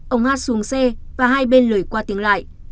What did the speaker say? ông hát xuống xe và hai bên lời qua tiếng lại